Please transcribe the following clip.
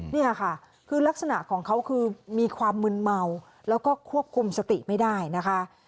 นี่ค่ะคือลักษณะของเขาคือมีความมึนเมาแล้วก็ควบคุมสติไม่ได้นะคะ